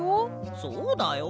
そうだよ。